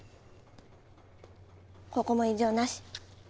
ここも異常なし。